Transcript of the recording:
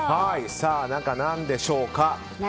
中、何でしょうか。